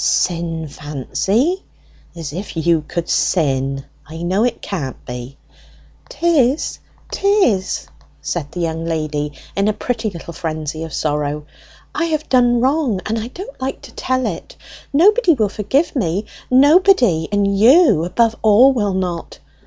"Sin, Fancy! as if you could sin! I know it can't be." "'Tis, 'tis!" said the young lady, in a pretty little frenzy of sorrow. "I have done wrong, and I don't like to tell it! Nobody will forgive me, nobody! and you above all will not!